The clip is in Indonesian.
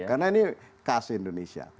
karena ini khas indonesia